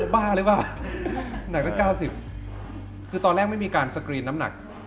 บ้าเลยบ้าหนักสักเก้าสิบคือตอนแรกไม่มีการสกรีนน้ำหนัก